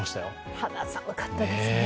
肌寒かったですね。